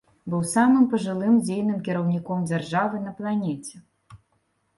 Быў самым пажылым дзейным кіраўніком дзяржавы на планеце.